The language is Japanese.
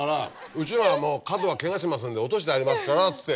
「うちのはカドはケガしますんで落としてありますから」っつって。